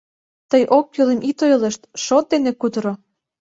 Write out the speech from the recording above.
Тый оккӱлым ит ойлышт, шот дене кутыро.